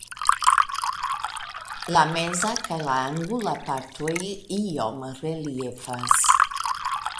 La meza kaj la angula partoj iom reliefas.